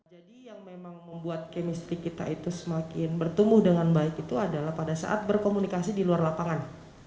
jadi yang memang membuat kemistri kita itu semakin bertumbuh dengan baik itu adalah pada saat berkomunikasi di luar lapangan